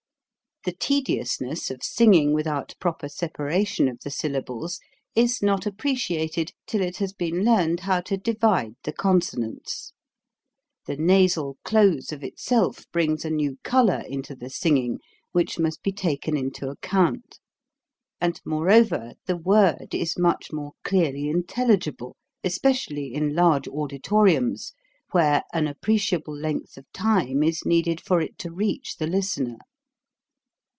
The tediousness of singing without proper separation of the syllables is not appreciated till it has been learned how to divide the con sonants. The nasal close of itself brings a new color into the singing, which must be taken into account; and moreover, the word is much more clearly intelligible, especially in large auditoriums, where an appreciable length of time is needed for it to reach the listener.